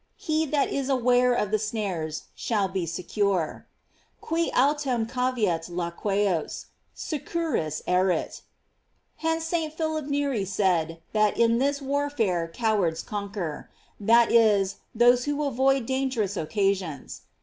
He that is aware of the snares shall be secure: "Qui autem cavet laqueos, securus erit."J Hence St. Philip Neri said, that in this warfare cowards conquer; that is, those who avoid dangerous oc casions.